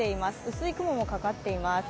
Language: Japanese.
薄い雲もかかっています。